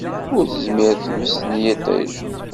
Ur tezmir tmes n yiṭij.